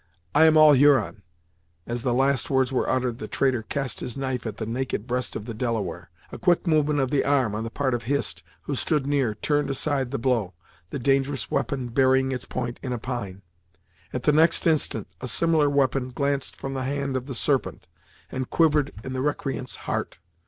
I am all Huron!" As the last words were uttered, the traitor cast his knife at the naked breast of the Delaware. A quick movement of the arm, on the part of Hist, who stood near, turned aside the blow, the dangerous weapon burying its point in a pine. At the next instant, a similar weapon glanced from the hand of the Serpent, and quivered in the recreant's heart.